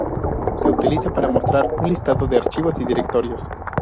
Se utiliza para mostrar un listado de archivos y directorios.